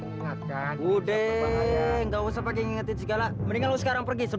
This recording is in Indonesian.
bapak nggak punya duit lagi buat tebus dede bu